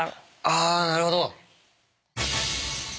あなるほど！